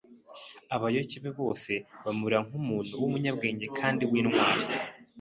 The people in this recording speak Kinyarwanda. Abayoboke be bose bamureba nk'umuntu w'umunyabwenge kandi w'intwari.